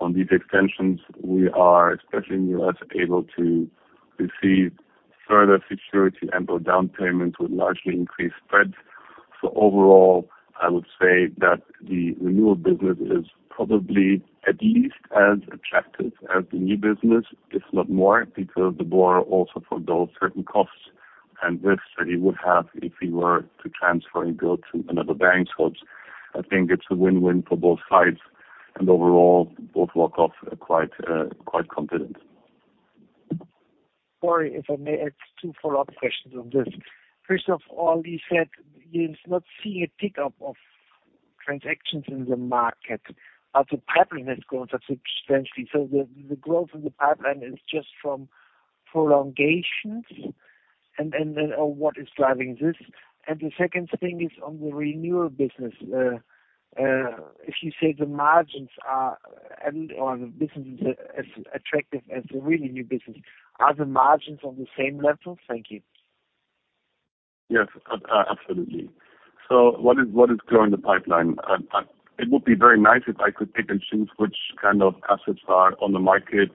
on these extensions, we are especially in U.S. able to receive further security and or down payments with largely increased spreads. Overall, I would say that the renewal business is probably at least as attractive as the new business, if not more, because the borrower also forgoes certain costs and risks that he would have if he were to transfer and go to another bank. I think it's a win-win for both sides and overall both walk off quite confident. Sorry, if I may ask two follow-up questions on this. First of all, you said you're not seeing a pickup of transactions in the market. Are the pipelining going up substantially? The growth in the pipeline is just from prolongations. What is driving this? The second thing is on the renewal business. If you say the margins are, and/or the business is as attractive as the really new business, are the margins on the same level? Thank you. Yes. Absolutely. What is growing the pipeline? It would be very nice if I could pick and choose which kind of assets are on the market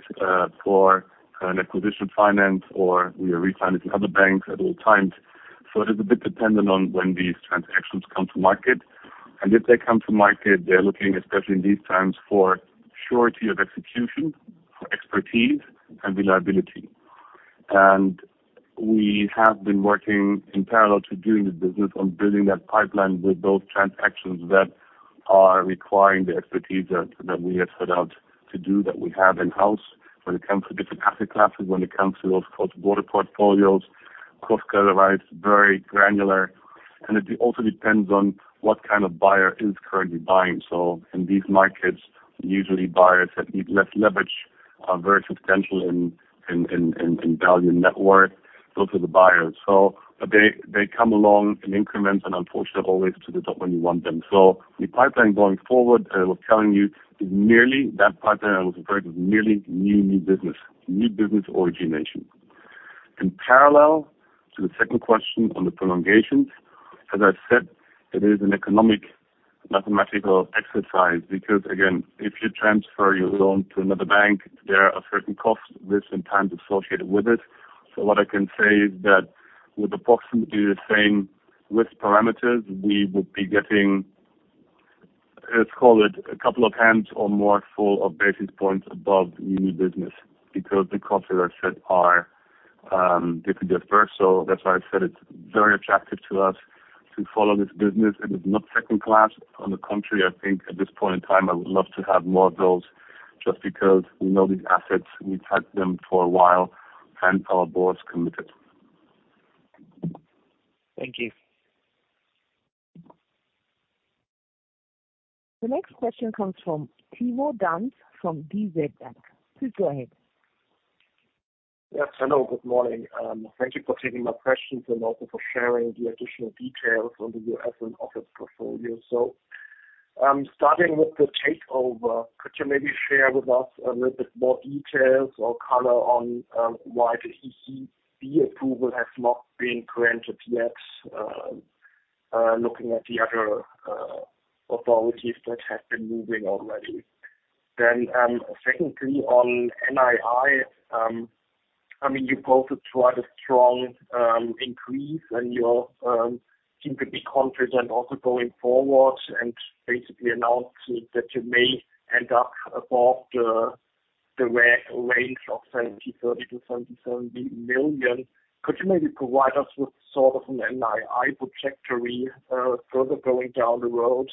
for an acquisition finance or we are refinancing other banks at all times. It is a bit dependent on when these transactions come to market. If they come to market, they're looking, especially in these times, for surety of execution, for expertise and reliability. We have been working in parallel to doing the business on building that pipeline with those transactions that are requiring the expertise that we had set out to do that we have in-house when it comes to different asset classes, when it comes to, of course, border portfolios, cross-collar rights, very granular. It also depends on what kind of buyer is currently buying. In these markets, usually buyers that need less leverage. Are very substantial in value network, those are the buyers. They come along in increments and unfortunately always to the top when you want them. The pipeline going forward, I was telling you is merely that pipeline I was referring to is merely new business origination. In parallel to the second question on the prolongations, as I said, it is an economic mathematical exercise because again, if you transfer your loan to another bank, there are certain costs, risks and times associated with it. What I can say is that with approximately the same risk parameters, we would be getting, let's call it a couple of hands or more full of basis points above new business because the costs, as I said, are different. That's why I said it's very attractive to us to follow this business. It is not second class. On the contrary, I think at this point in time, I would love to have more of those just because we know these assets, we've had them for a while, and our board is committed. Thank you. The next question comes from Timo Denz, from DNB. Please go ahead. Yes. Hello, good morning. Thank you for taking my questions and also for sharing the additional details on the U.S. and office portfolio. Starting with the takeover, could you maybe share with us a little bit more details or color on why the ECB approval has not been granted yet, looking at the other authorities that have been moving already. Secondly on NII, I mean, you posted quite a strong increase and you seem to be confident also going forward and basically announcing that you may end up above the range of 730 million-770 million. Could you maybe provide us with sort of an NII trajectory further going down the road?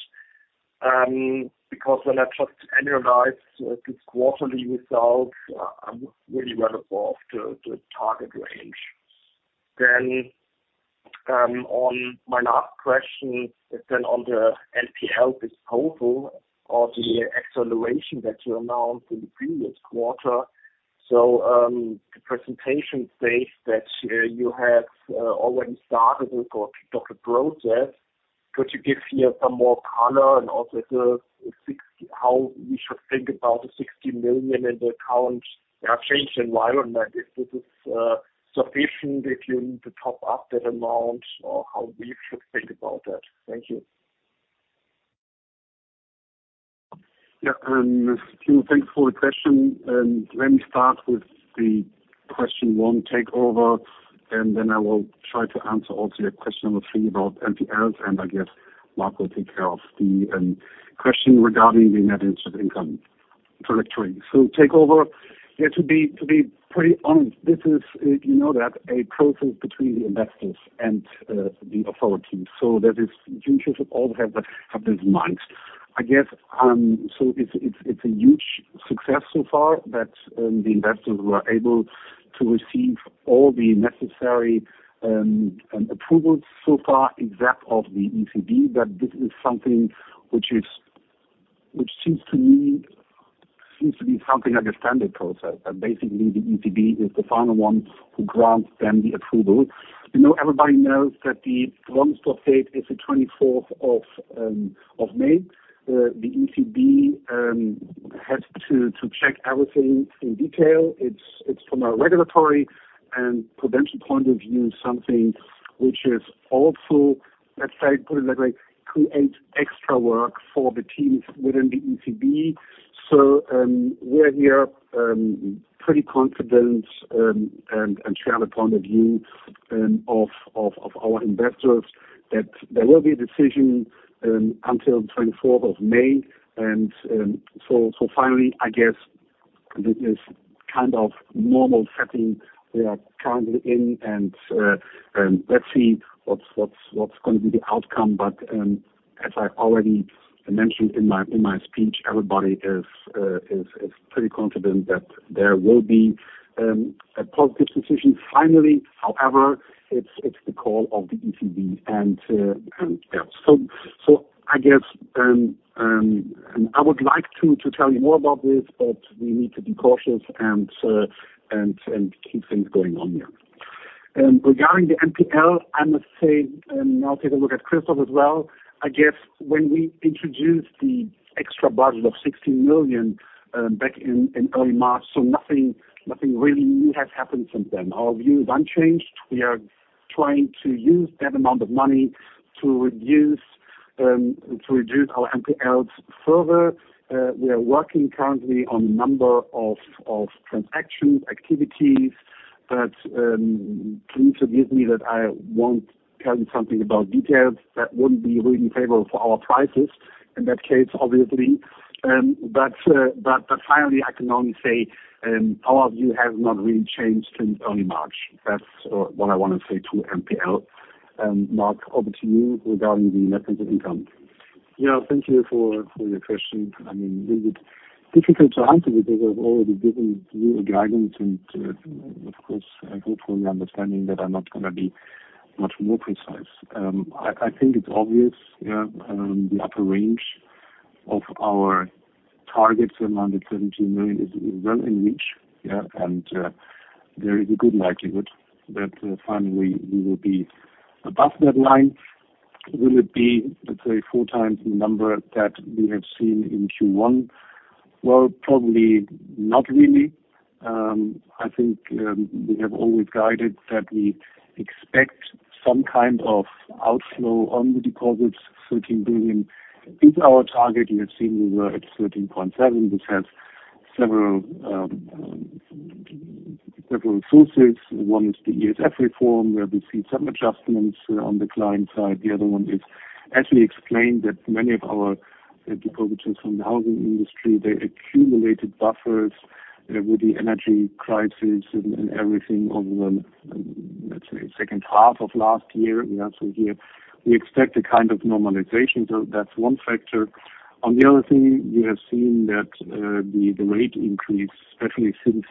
Because when I just annualize this quarterly results, I'm really well above the target range. On my last question is then on the NPL disposal or the acceleration that you announced in the previous quarter. The presentation states that you have already started with or took the process. Could you give here some more color and also how we should think about the 60 million in the current changing environment, if this is sufficient, if you need to top up that amount or how we should think about that? Thank you. the question. Let me start with the question one, takeover, then I will try to answer also your question number three about NPLs, I guess Marc will take care of the question regarding the net interest income trajectory. Takeover, yeah, to be pretty honest, this is, you know, that a process between the investors and the authorities. That is due diligence all have this in mind. I guess, it's a huge success so far that the investors were able to receive all the necessary approvals so far except of the ECB. This is something which seems to me to be something like a standard process. Basically, the ECB is the final one who grants them the approval. You know, everybody knows that the transfer date is the 24th of May. The ECB has to check everything in detail. It's from a regulatory and prevention point of view, something which is also, let's say, put it that way, creates extra work for the teams within the ECB. We're here pretty confident and share the point of view of our investors that there will be a decision until the 24th of May. Finally, I guess this is kind of normal setting we are currently in, and let's see what's gonna be the outcome. As I already mentioned in my speech, everybody is pretty confident that there will be a positive decision finally. It's the call of the ECB. I guess I would like to tell you more about this, but we need to be cautious and keep things going on here. Regarding the NPL, I must say, I'll take a look at Christoph as well. I guess when we introduced the extra budget of 60 million back in early March, nothing really new has happened since then. Our view is unchanged. We are trying to use that amount of money to reduce our NPLs further. We are working currently on a number of transactions, activities that, please forgive me that I won't tell you something about details that wouldn't be really favorable for our prices in that case, obviously. Finally, I can only say, our view has not really changed since early March. That's what I wanna say to NPL. Marc, over to you regarding the net interest income. Yeah. Thank you for your question. I mean, a little bit difficult to answer because I've already given you a guidance and, of course, I hope you're understanding that I'm not gonna be Much more precise. I think it's obvious, the upper range of our targets among the 17 million is well in reach, and there is a good likelihood that finally we will be above that line. Will it be, let's say 4x the number that we have seen in Q1? Well, probably not really. I think we have always guided that we expect some kind of outflow on the deposits, 13 billion is our target. You have seen we were at 13.7 billion, which has several sources. One is the WSF reform, where we see some adjustments on the client side. The other one is as we explained, that many of our depositors from the housing industry, they accumulated buffers with the energy crisis and everything on the, let's say second half of last year. We also hear we expect a kind of normalization. That's one factor. On the other thing, we have seen that the rate increase, especially since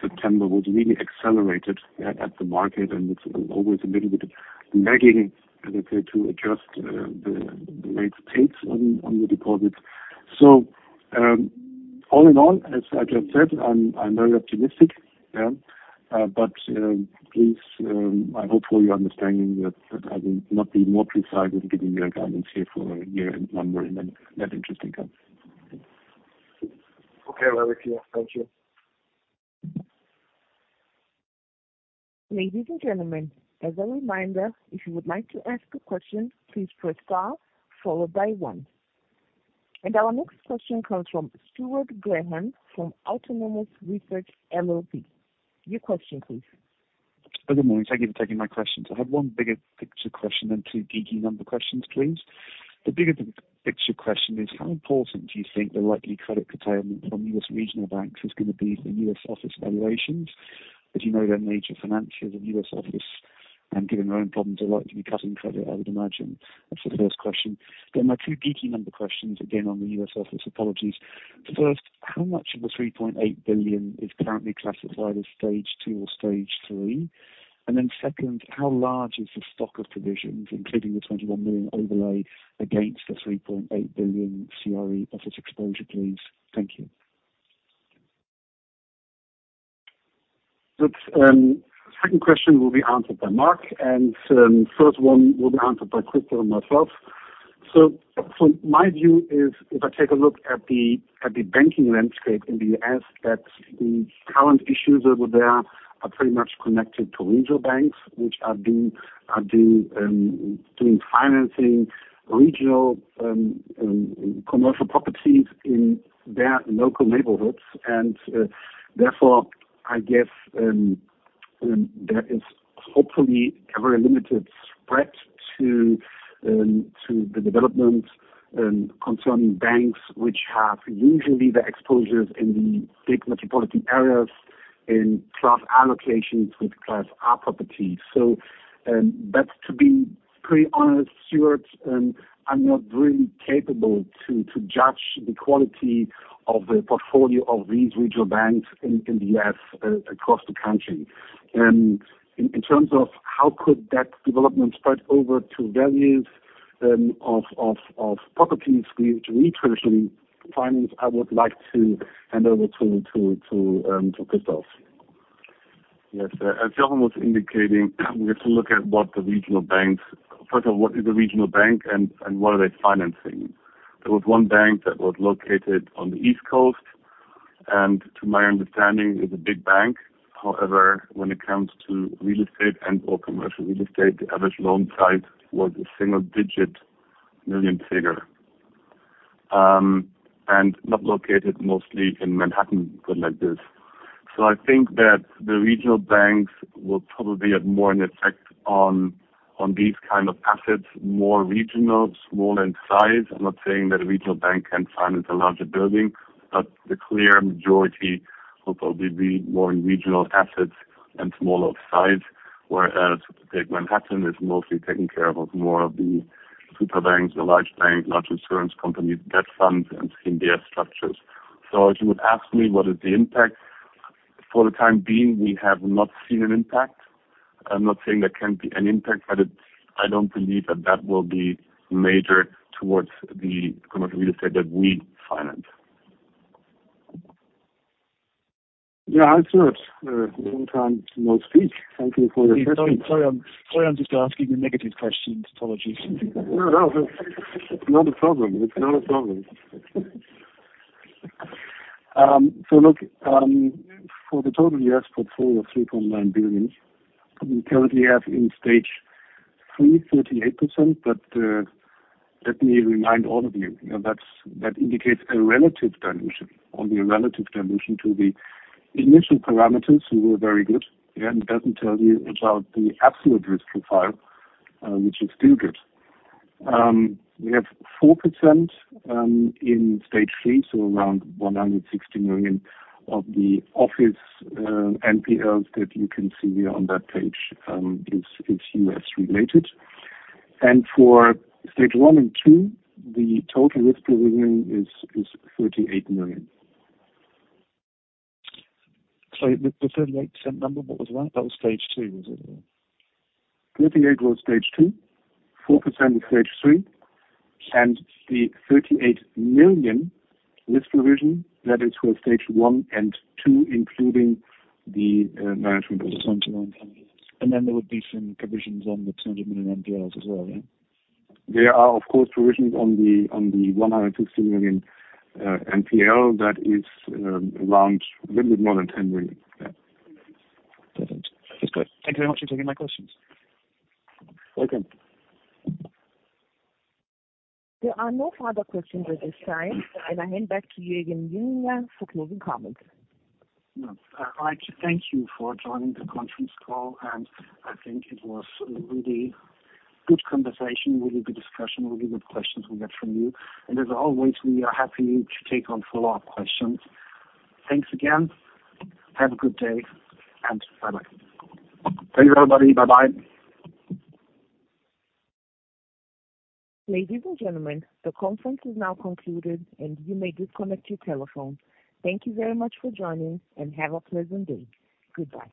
September, was really accelerated at the market and it's always a little bit lagging, as I say, to adjust the rate takes on the deposits. All in all, as I just said, I'm very optimistic, yeah. Please, I hope for your understanding that I will not be more precise in giving you a guidance here for a year number in an net interest income. Okay. Well, thank you. Ladies and gentlemen, as a reminder, if you would like to ask a question, please press star followed by 1. Our next question comes from Stuart Graham from Autonomous Research LLP. Your question please. Good morning. Thank you for taking my questions. I have one bigger picture question, then two geeky number questions, please. The bigger picture question is how important do you think the likely credit curtailment from U.S. regional banks is gonna be for U.S. office valuations? As you know, they're major financiers of U.S. office and given their own problems are likely to be cutting credit, I would imagine. That's the first question. My two geeky number questions, again on the U.S. office. Apologies. First, how much of the $3.8 billion is currently classified as stage two or stage three? Second, how large is the stock of provisions, including the $21 million overlay against the $3.8 billion CRE office exposure, please? Thank you. That's, second question will be answered by Marc, first one will be answered by Christof and myself. My view is if I take a look at the banking landscape in the U.S., that the current issues over there are pretty much connected to regional banks which are doing financing regional commercial properties in their local neighborhoods. Therefore, I guess, there is hopefully a very limited spread to the development concerning banks which have usually the exposures in the big metropolitan areas in class A locations with class R properties. To be pretty honest, Stuart, I'm not really capable to judge the quality of the portfolio of these regional banks in the U.S. across the country. In terms of how could that development spread over to values of properties which we traditionally finance, I would like to hand over to Christoph. Yes. As Jochen was indicating, we have to look at what the regional banks. First of all, what is a regional bank and what are they financing? There was one bank that was located on the East Coast and to my understanding is a big bank. However, when it comes to real estate and or commercial real estate, the average loan size was a single digit million figure. Not located mostly in Manhattan, but like this. I think that the regional banks will probably have more an effect on these kind of assets, more regional, small in size. I'm not saying that a regional bank can't finance a larger building, the clear majority will probably be more in regional assets and smaller size. Whereas take Manhattan is mostly taken care of more of the super banks, the large banks, large insurance companies, debt funds and CDO structures. If you would ask me what is the impact? For the time being, we have not seen an impact. I'm not saying there can't be an impact, but I don't believe that that will be major towards the commercial real estate that we finance. Yeah, absolutely. Long time to no speak. Thank you for your questions. I'm sorry, I'm just asking you negative questions. Apologies. No, it's not a problem. It's not a problem. Look, for the total US portfolio of $3.9 billion, we currently have in stage three, 38%. Let me remind all of you know, that indicates a relative dilution, only a relative dilution to the initial parameters. We were very good. It doesn't tell you about the absolute risk profile, which is still good. We have 4% in stage three, so around $160 million of the office NPLs that you can see on that page is US related. For stage one and two, the total risk provision is $38 million. The 38% number, what was that? That was stage two, was it? 38 was stage two. 4% is stage three. The 38 million risk provision, that is for stage one and two, including the management costs. There would be some provisions on the 20 million NPLs as well, yeah? There are, of course, provisions on the 160 million NPL. That is, around a little bit more than 10 million. Yeah. Got it. That's great. Thank you very much for taking my questions. Welcome. There are no further questions at this time. I hand back to you again, Jochen, for closing comments. No. I'd like to thank you for joining the conference call, and I think it was a really good conversation, really good discussion, really good questions we got from you. As always, we are happy to take on follow-up questions. Thanks again. Have a good day, and bye-bye. Thank you, everybody. Bye-bye. Ladies and gentlemen, the conference is now concluded, and you may disconnect your telephone. Thank you very much for joining, and have a pleasant day. Goodbye.